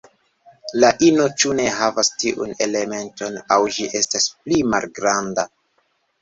La ino ĉu ne havas tiun elementon aŭ ĝi estas pli malgranda.